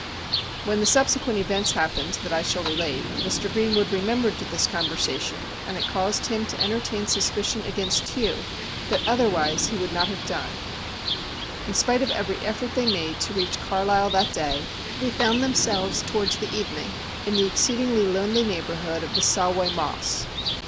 When the subsequent events happened that I shall relate, Mr. Greenwood remembered this conversation, and it caused him to entertain suspicion against Hugh that otherwise he would not have done. In spite of every effort they made to reach Carlisle that day, they found themselves towards the evening in the ex ceedingly lonely neighbourhood of the Solway Moss.